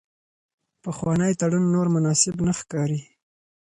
پخوانی تړون نور مناسب نه ښکاري.